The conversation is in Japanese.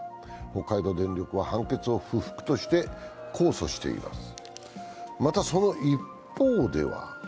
北海道電力は判決を不服として、控訴しています。